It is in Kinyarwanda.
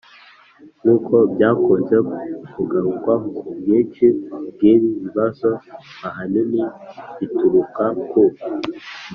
Nk uko byakunze kugarukwaho ubwinshi bw ibi bibazo ahanini buturuka ku